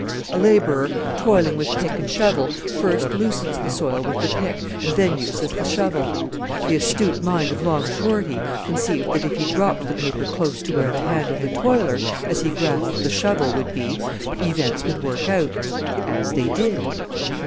A labourer toiling with pick and shovel first loosens the soil with the pick and then uses the shovel. The astute mind of Long Shorty conceived that if he dropped the paper close to where the hand of the toiler, as he grasped the shovel, would be, events would work out as they did.